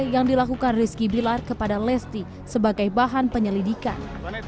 yang dilakukan rizky bilar kepada lesti sebagai bahan penyelidikan